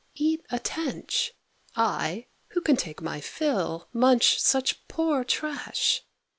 eat a tench? I, who can take my fill, Munch such poor trash?"